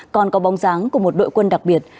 còn có bóng dáng của một đội quân đặc biệt